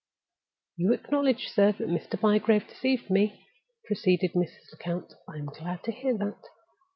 "You acknowledge, sir, that Mr. Bygrave deceived me?" proceeded Mrs. Lecount. "I am glad to hear that.